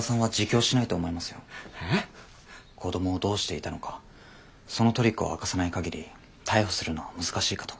子供をどうしていたのかそのトリックを明かさない限り逮捕するのは難しいかと。